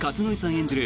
演じる